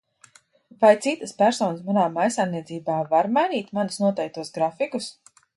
Vai citas personas manā mājsaimniecībā var mainīt manis noteiktos grafikus?